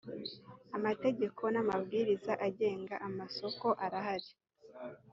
amategeko n’ amabwiriza agenga amasoko arahari.